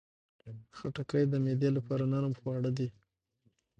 خټکی د معدې لپاره نرم خواړه دي.